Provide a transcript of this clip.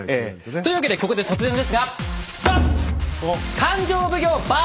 というわけでここで突然ですがバン！